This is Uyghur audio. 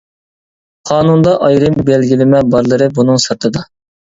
قانۇندا ئايرىم بەلگىلىمە بارلىرى بۇنىڭ سىرتىدا.